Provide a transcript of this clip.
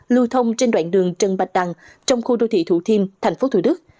lưu thông trên đoạn đường trần bạch đằng trong khu đô thị thủ thiêm tp thủ đức